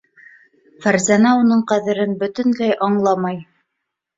Фәрзәнә уның ҡәҙерен бөтөнләй аңламай.